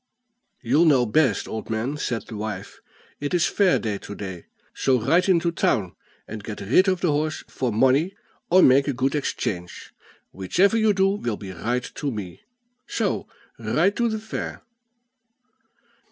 "You'll know best, old man," said the wife. "It is fair day to day; so ride into town, and get rid of the horse for money, or make a good exchange; whichever you do will be right to me, so ride to the fair."